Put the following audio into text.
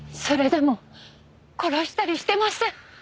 それでも殺したりしてません。